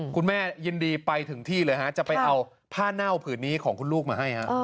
คุณแม่ยินดีไปถึงที่เลยฮะจะไปเอาผ้าเน่าผืนนี้ของคุณลูกมาให้